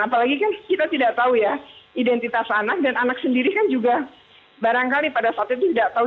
apalagi kan kita tidak tahu ya identitas anak dan anak sendiri kan juga barangkali pada saat itu tidak tahu